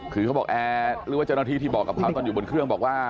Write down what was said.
คือเขาบอกแอร์หรือว่าเจ้าหน้าที่ที่บอกกับเขาตอนอยู่บนเครื่องบอกว่า